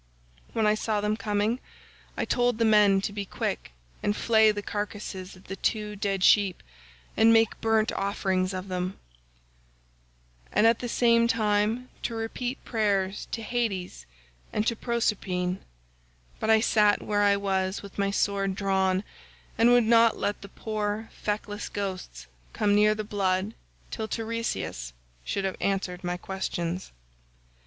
When I saw them coming I told the men to be quick and flay the carcasses of the two dead sheep and make burnt offerings of them, and at the same time to repeat prayers to Hades and to Proserpine; but I sat where I was with my sword drawn and would not let the poor feckless ghosts come near the blood till Teiresias should have answered my questions.